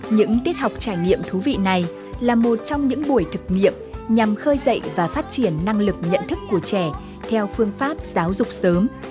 những tiết học trải nghiệm thú vị này là một trong những buổi thực nghiệm nhằm khơi dậy và phát triển năng lực nhận thức của trẻ theo phương pháp giáo dục sớm